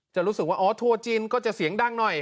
รู้สึกว่าอ๋อทัวร์จีนก็จะเสียงดังหน่อย